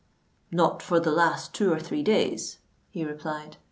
"Not for the last two or three days," he replied.